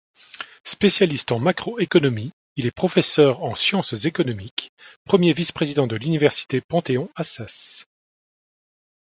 Spécialiste en macroéconomie, il est professeur en sciences économiques, premier vice-président de l’université Panthéon-Assas.